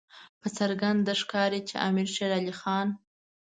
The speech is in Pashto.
په څرګنده ښکاري چې امیر شېر علي خان.